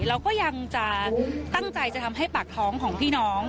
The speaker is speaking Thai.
เราก็ยังจะตั้งใจจะทำให้ปากท้องของพี่น้อง